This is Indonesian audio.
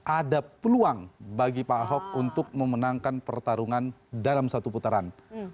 ada peluang bagi pak ahok untuk memenangkan pertarungan dalam satu putaran